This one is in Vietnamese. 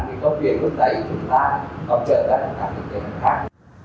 để có việc lúc đấy chúng ta có chờ đợi đồng hành